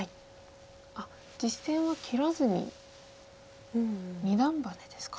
あっ実戦は切らずに二段バネですか。